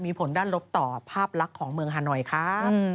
มีผลด้านลบต่อภาพลักษณ์ของเมืองฮานอยครับ